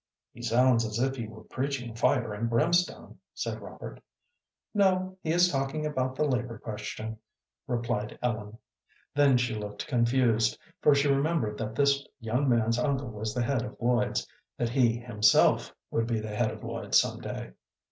"He sounds as if he were preaching fire and brimstone," said Robert. "No, he is talking about the labor question," replied Ellen. Then she looked confused, for she remembered that this young man's uncle was the head of Lloyd's, that he himself would be the head of Lloyd's some day.